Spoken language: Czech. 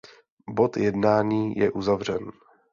Bod jednání je uzavřen.